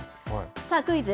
さあクイズ。